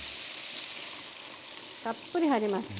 たっぷり入ります。